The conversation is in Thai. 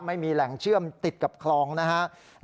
ไม่มีแหล่งเชื่อมติดกับคลองนะครับ